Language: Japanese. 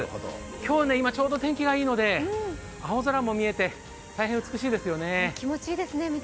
今日ちょうど今、天気もいいので青空も見えて大変美しいですね。